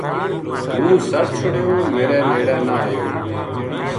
ہوں سَٹ چھُڑیو میرے نیڑے نہ آیو